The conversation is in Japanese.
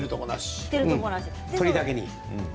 鳥だけに。